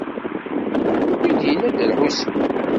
Ihi d acu ay d-yenna Dda Lḥusin?